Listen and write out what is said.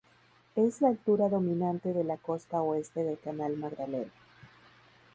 Es la altura dominante de la costa oeste del canal Magdalena.